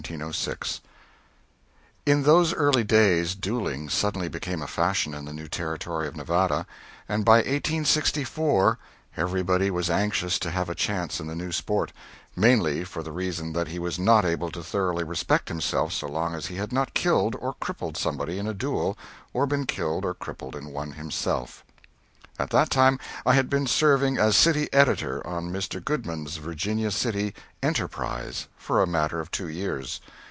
_] In those early days duelling suddenly became a fashion in the new Territory of Nevada, and by 1864 everybody was anxious to have a chance in the new sport, mainly for the reason that he was not able to thoroughly respect himself so long as he had not killed or crippled somebody in a duel or been killed or crippled in one himself. At that time I had been serving as city editor on Mr. Goodman's Virginia City "Enterprise" for a matter of two years.